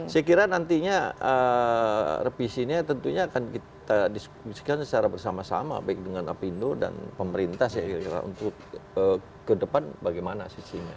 saya kira nantinya revisinya tentunya akan kita diskusikan secara bersama sama baik dengan apindo dan pemerintah saya kira untuk ke depan bagaimana sisinya